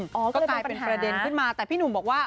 อ๋อก็เลยเป็นปัญหาเป็นประเด็นขึ้นมาแต่พี่หนุ่มบอกว่า